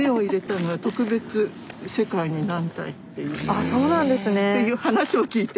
あそうなんですね。っていう話を聞いて。